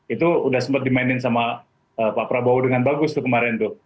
itu udah sempat dimainin sama pak prabowo dengan bagus tuh kemarin tuh